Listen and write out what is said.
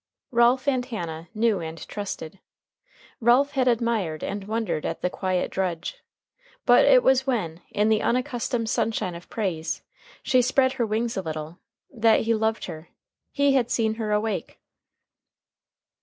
Ralph and Hannah knew and trusted. Ralph had admired and wondered at the quiet drudge. But it was when, in the unaccustomed sunshine of praise, she spread her wings a little, that he loved her. He had seen her awake.